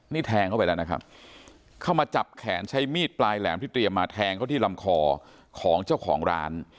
นี่แทงเข้าไปแล้วนะครับเข้ามาจับแขนใช้มีดปลายแหลมที่เตรียมมาแทงเขาที่ลำคอของเจ้าของร้าน